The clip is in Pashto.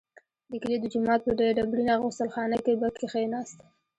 د کلي د جومات په ډبرینه غسل خانه کې به کښېناست.